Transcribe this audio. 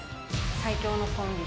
最強のコンビ。